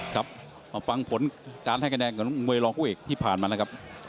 ครับมาฟังผลการให้คะแนนของมวยรองผู้เอกที่ผ่านมานะครับ